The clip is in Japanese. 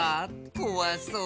こわそう。